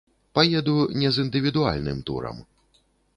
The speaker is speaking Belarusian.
Паеду не з індывідуальным турам.